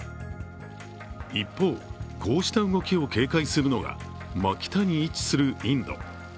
一方、こうした動きを軽快するのが真北に位置するインド。